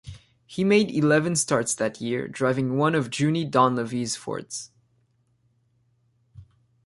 He made eleven starts that year driving one of Junie Donlavey's Fords.